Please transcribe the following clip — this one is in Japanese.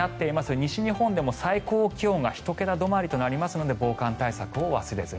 西日本でも最高気温が１桁止まりとなりますので防寒対策を忘れずに。